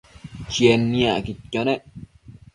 Chied niacquidquio nec